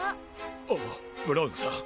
ああブラウンさん。